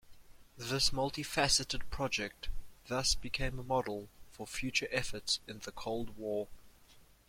This multifacted project thus became a model for future efforts in the Cold War.